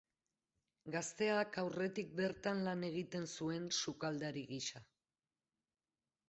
Gazteak aurretik bertan lan egin zuen sukaldari gisa.